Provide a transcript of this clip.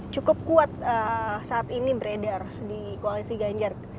cukup kuat saat ini beredar di koalisi ganjar